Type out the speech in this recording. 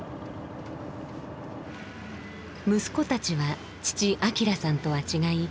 息子たちは父・章さんとは違い